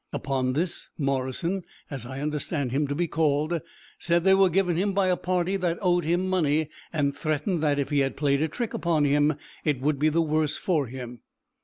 Upon this, Morrison, as I understand him to be called, said they were given him by a party that owed him money, and threatened that, if he had played a trick upon him, it would be the worse for him."